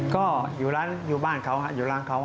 ก็อยู่ร้านอยู่บ้านเขาอยู่ร้านเขา